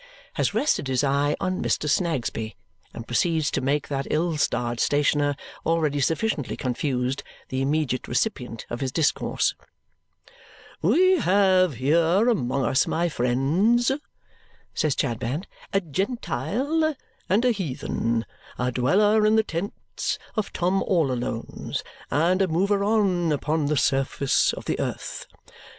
has rested his eye on Mr. Snagsby and proceeds to make that ill starred stationer, already sufficiently confused, the immediate recipient of his discourse. "We have here among us, my friends," says Chadband, "a Gentile and a heathen, a dweller in the tents of Tom all Alone's and a mover on upon the surface of the earth.